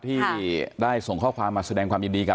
ที่ได้ส่งข้อความมาแสดงความยินดีกัน